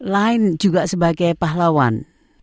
lain juga sebagai pahlawan